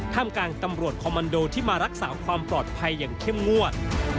กลางตำรวจคอมมันโดที่มารักษาความปลอดภัยอย่างเข้มงวด